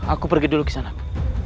aku pergi dulu kisanak